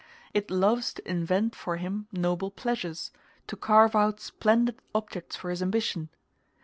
It loves to invent for him noble pleasures, to carve out splendid objects for his ambition.